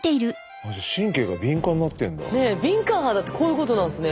敏感肌ってこういうことなんですね。